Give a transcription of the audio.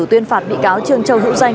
tuyên phạt bị cáo trương châu hữu danh